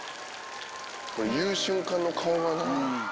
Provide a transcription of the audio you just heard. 言う瞬間の顔がな。